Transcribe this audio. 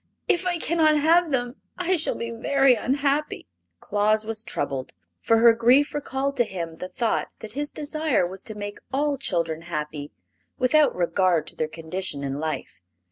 "If I can not have them, I shall be very unhappy." Claus was troubled, for her grief recalled to him the thought that his desire was to make all children happy, without regard to their condition in life.